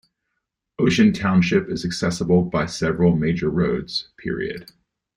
Ocean Township is accessible by several major roads.